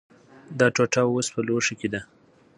دا ټوټه اوس په لوښي کې ده.